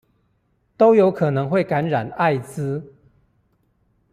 都有可能會感染愛滋